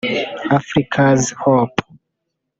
Africa’s Hope’